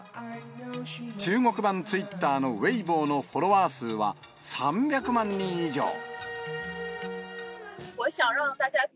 中国版ツイッターのウェイボーのフォロワー数は３００万人以上。